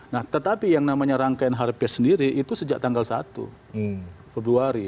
nah tetapi yang namanya rangkaian hari pers sendiri itu sejak tanggal satu februari